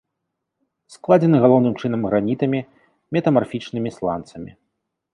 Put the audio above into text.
Складзены галоўным чынам гранітамі, метамарфічнымі сланцамі.